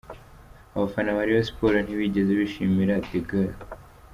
Abafana ba Rayon Sports ntibigeze bishimira Degaulle.